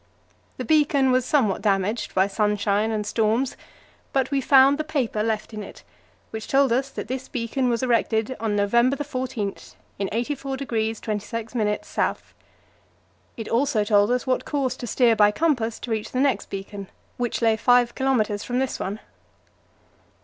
The beacon was somewhat damaged by sunshine and storms, but we found the paper left in it, which told us that this beacon was erected on November 14, in 84° 26' S. It also told us what course to steer by compass to reach the next beacon, which lay five kilometres from this one.